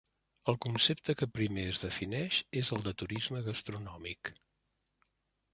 El concepte que primer es defineix és el de turisme gastronòmic.